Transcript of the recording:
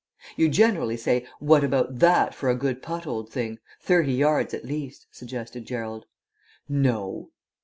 "You generally say, 'What about that for a good putt, old thing? Thirty yards at least,'" suggested Gerald. "No."